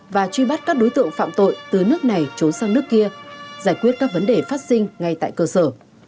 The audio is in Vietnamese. và truy bắt các đối tượng phạm tội từ nước này trốn sang nước kia giải quyết các vấn đề phát sinh ngay tại cơ sở